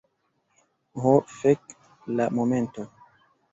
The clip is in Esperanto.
Ho, fek'. La momento.